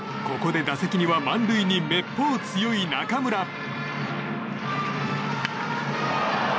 ここで打席には満塁にめっぽう強い中村。